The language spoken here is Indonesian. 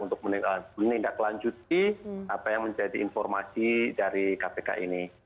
untuk menindaklanjuti apa yang menjadi informasi dari kpk ini